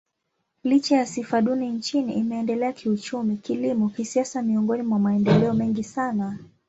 Licha ya sifa duni nchini, imeendelea kiuchumi, kilimo, kisiasa miongoni mwa maendeleo mengi sana.